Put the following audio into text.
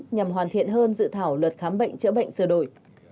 nhằm hoàn thiện hơn dự thảo luật khám bệnh chữa bệnh sửa đổi